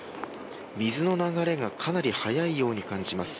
水の流れがかなり速いように感じます。